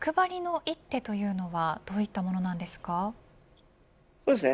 逆張りの一手というのはどういったものなんですか。